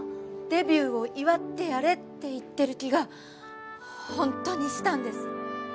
デビューを祝ってやれって言ってる気がホントにしたんです。